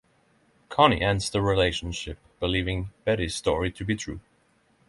Connie ends the relationship, believing Betty's story to be true.